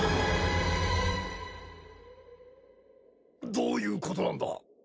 どういうことなんだ？